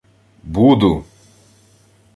— Буду!